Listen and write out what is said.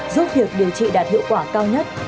giúp việc điều trị đạt hiệu quả cao nhất